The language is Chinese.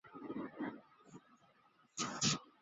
实化是概念分析与知识表示中最常用的技术。